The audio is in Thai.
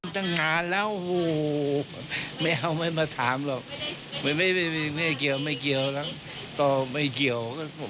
ตั้งนานแล้วไม่เอาไม่มาถามหรอกไม่เกี่ยวไม่เกี่ยวแล้วก็ไม่เกี่ยว